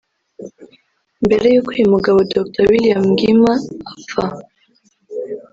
Mbere y’uko uyu mugabo Dr William Mgimwa apfa